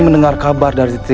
masalah pak man juru demo